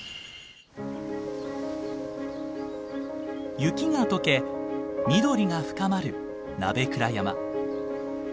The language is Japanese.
雪が解け緑が深まる鍋倉山。